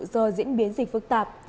do diễn biến dịch phức tạp